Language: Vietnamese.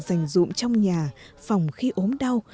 dành dụng trong nhà phòng khi ốm đau